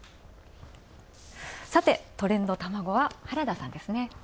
さて、トレンドたまごは原田さんです。